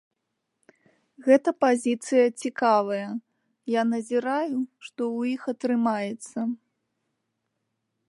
Гэта пазіцыя цікавая, я назіраю, што ў іх атрымаецца.